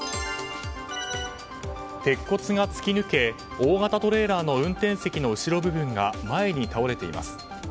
鉄骨が突き抜け大型トレーラーの運転席の後ろ部分が前に倒れています。